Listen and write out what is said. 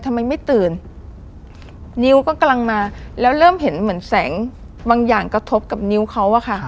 ทำไมไม่ตื่นนิ้วก็กำลังมาแล้วเริ่มเห็นเหมือนแสงบางอย่างกระทบกับนิ้วเขาอะค่ะ